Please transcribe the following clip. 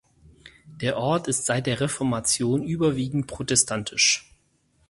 Der Ort ist seit der Reformation überwiegend protestantisch.